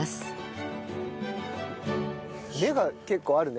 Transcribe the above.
根が結構あるね。